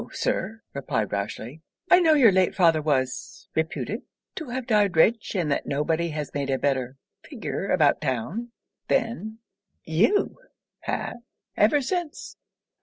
Sir,' replied Rochely, 'I know your late father was reputed to have died rich, and that no body has made a better figure about town than you have, ever since.'